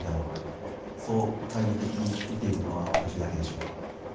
そう懐疑的に見ているのは私だけでしょうか？